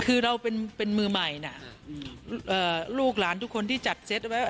คือเราเป็นมือใหม่นะลูกหลานทุกคนที่จัดเซตไว้